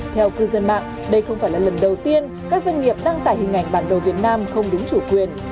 theo cư dân mạng đây không phải là lần đầu tiên các doanh nghiệp đăng tải hình ảnh bản đồ việt nam không đúng chủ quyền